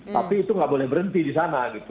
tapi itu nggak boleh berhenti di sana gitu